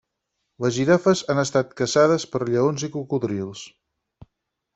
Les girafes han estat caçades per lleons i cocodrils.